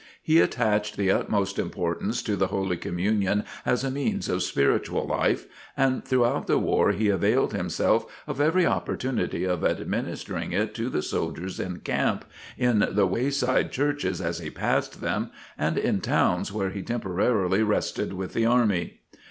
He attached the utmost importance to the Holy Communion as a means of spiritual life, and throughout the war he availed himself of every opportunity of administering it to the soldiers in camp, in the way side churches as he passed them, and in towns where he temporarily rested with the army.